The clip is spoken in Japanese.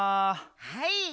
はい。